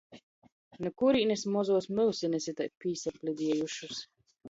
Nu kurīnis mozuos myusenis itai pīsaplidiejušys!